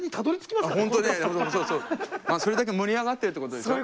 まあそれだけ盛り上がってるってことですよね。